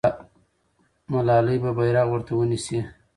ملالۍ به بیرغ ورته ونیسي.